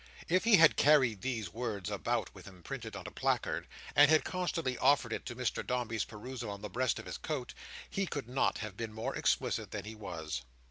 If he had carried these words about with him printed on a placard, and had constantly offered it to Mr Dombey's perusal on the breast of his coat, he could not have been more explicit than he was.